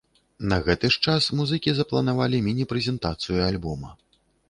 На гэты ж час музыкі запланавалі міні-прэзентацыю альбома.